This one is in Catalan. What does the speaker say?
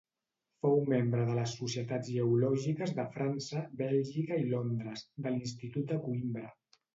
Fou membre de les Societats Geològiques de França, Bèlgica i Londres, de l'Institut de Coïmbra.